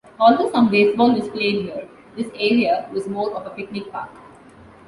Although some baseball was played here, this area was more of a picnic park.